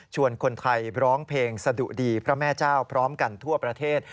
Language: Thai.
คนไทยร้องเพลงสะดุดีพระแม่เจ้าพร้อมกันทั่วประเทศ